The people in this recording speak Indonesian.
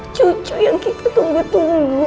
cucu yang kita tunggu tunggu